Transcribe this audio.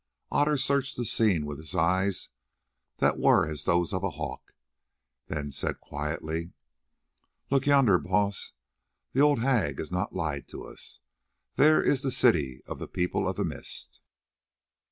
Otter searched the scene with his eyes, that were as those of a hawk; then said quietly: "Look yonder, Baas; the old hag has not lied to us. There is the city of the People of the Mist."